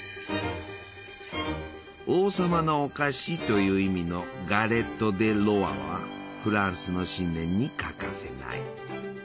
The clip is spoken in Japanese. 「王様のお菓子」という意味のガレット・デ・ロワはフランスの新年に欠かせない。